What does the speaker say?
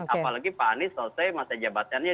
apalagi pak anies selesai masa jabatannya